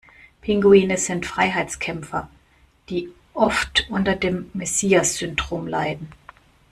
Pinguine sind Freiheitskämpfer, die oft unter dem Messias-Syndrom leiden.